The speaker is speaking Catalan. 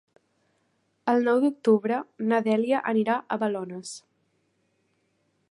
El nou d'octubre na Dèlia anirà a Balones.